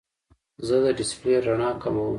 زه د ډیسپلې رڼا کموم.